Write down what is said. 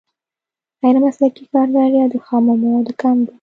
غیر مسلکي کارګر یا د خامو موادو کمبود.